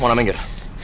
mau nama minggir